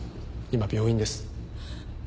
今病院です。